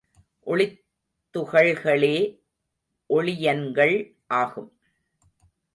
ஒளித்துகள்களே ஒளியன்கள் ஆகும்.